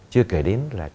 chưa kể đến là